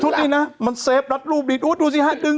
ทุกที่มันมันเซฟรัสรูปดี